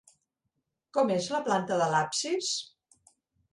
Com és la planta de l'absis?